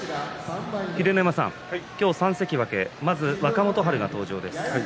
秀ノ山さん、今日３関脇まず若元春が登場です。